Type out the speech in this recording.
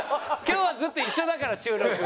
今日はずっと一緒だから収録。